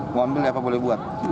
mau ambil apa boleh buat